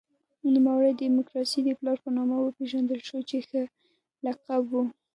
نوموړی د دموکراسۍ د پلار په نامه وپېژندل شو چې ښه لقب و.